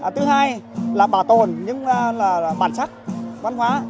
thứ hai là bảo tồn những bản sắc văn hóa